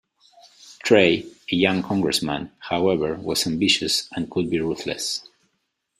Trey, a young congressman, however was ambitious and could be ruthless.